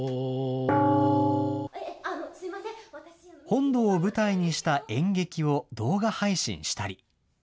本堂を舞台にした演劇を動画配信したり。